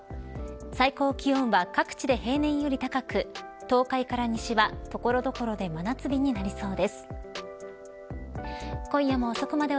最高気温は各地で平年より高く東海から西は所々でおケガはありませんか？